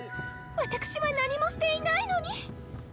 私は何もしていないのに！